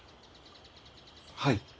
はい。